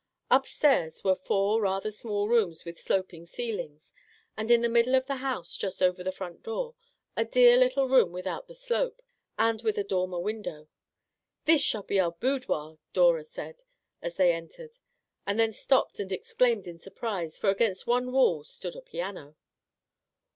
Up stairs were four rather small rooms with sloping ceilings, and in the middle of the house, just over the front door, a dear little room without the slope, and with a dormer window. " This shall be our boudoir," Dora said, as they entered, and then stopped and exclaimed in surprise, for against one wall stood a piano